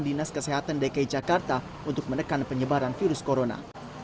dinas kesehatan dki jakarta untuk menekan penyebaran virus corona